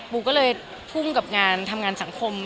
ปูก็เลยพุ่งกับงานทำงานสังคม